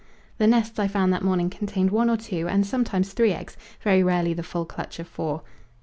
The nests I found that morning contained one or two and sometimes three eggs very rarely the full clutch of four.